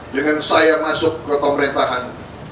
dengan saya masuk ke pemerintahan